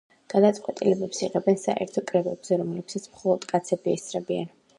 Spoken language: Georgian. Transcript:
გადაწყვეტილებებს იღებენ საერთო კრებებზე, რომლებსაც მხოლოდ კაცები ესწრებიან.